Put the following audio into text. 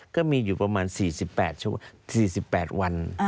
ก็มีอยู่ประมาณ๔๘วัน